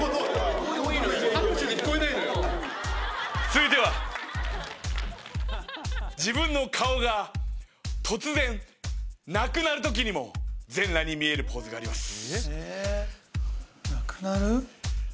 続いては自分の顔が突然なくなるときにも全裸に見えるポーズがあります。